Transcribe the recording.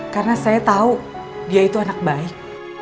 karena saya tahu dia itu anak baik